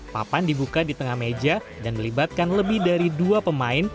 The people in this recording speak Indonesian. papan dibuka di tengah meja dan melibatkan lebih dari dua pemain